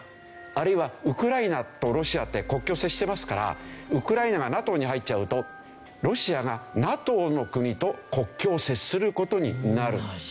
あるいはウクライナとロシアって国境を接してますからウクライナがＮＡＴＯに入っちゃうとロシアがＮＡＴＯの国と国境を接する事になる。